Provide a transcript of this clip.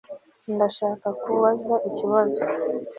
ndashaka kubaza ikibazo